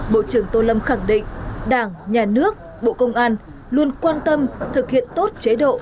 bộ trưởng tô lâm khẳng định đảng nhà nước bộ công an luôn quan tâm thực hiện tốt chế độ